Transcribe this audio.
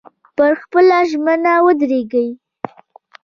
پر خپله ژمنه ودرېږئ.